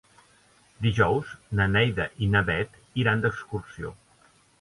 Dijous na Neida i na Bet iran d'excursió.